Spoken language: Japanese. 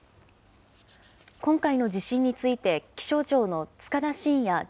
今回の地震について、気象庁の束田進也